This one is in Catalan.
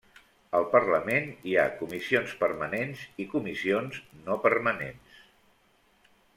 Al Parlament hi ha comissions permanents i comissions no permanents.